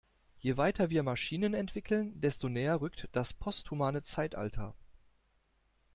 Je weiter wir Maschinen entwickeln, desto näher rückt das posthumane Zeitalter.